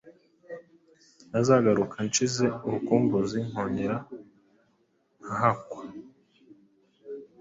Nazagaruka nshize urukumbuzi nkongera nkahakwa